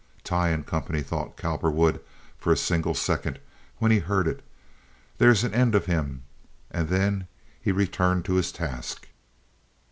"Tighe & Company," thought Cowperwood, for a single second, when he heard it. "There's an end of him." And then he returned to his task.